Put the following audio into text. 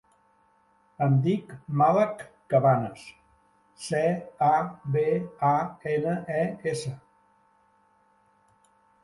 Em dic Malak Cabanes: ce, a, be, a, ena, e, essa.